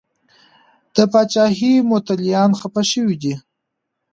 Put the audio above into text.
د پاچاهۍ متولیان خفه شوي دي.